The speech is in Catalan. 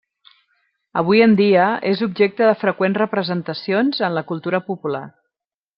Avui en dia, és objecte de freqüents representacions en la cultura popular.